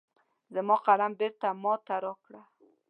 زما قلم بیرته وماته را روا کړه